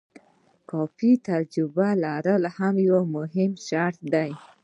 کافي تجربه لرل هم یو مهم شرط دی.